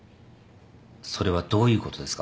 それはどういうことですか。